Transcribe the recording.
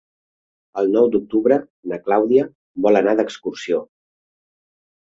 El nou d'octubre na Clàudia vol anar d'excursió.